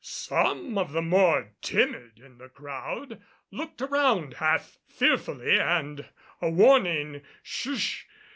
Some of the more timid in the crowd looked around half fearfully and a warning "Sh!"